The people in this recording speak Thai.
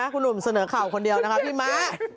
คุณหนุ่มเสนอข่าวคนเดียวนะคะพี่ม้า